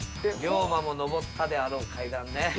龍馬も上ったであろう階段ね。